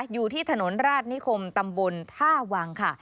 อยู่ที่ถนนราชนิคมตำบลท่าวังค่ะ